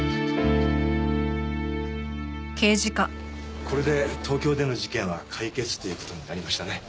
これで東京での事件は解決という事になりましたね。